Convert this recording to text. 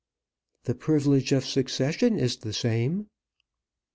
"The privilege of succession is the same."